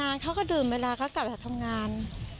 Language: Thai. เขาก็ดื่มเวลาเขากลับจากทำงาน